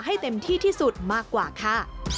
ให้เต็มที่ที่สุดมากกว่าค่ะ